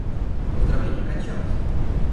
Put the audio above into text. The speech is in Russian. Поздравление кончалось.